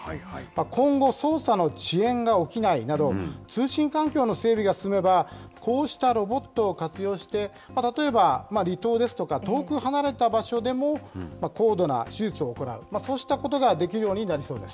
今後、操作の遅延が起きないなど、通信環境の整備が進めば、こうしたロボットを活用して、例えば離島ですとか、遠く離れた場所でも、高度な手術を行う、そうしたことができるようになりそうです。